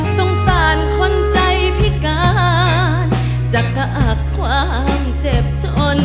สงสารคนใจพิการจากกะอักความเจ็บจน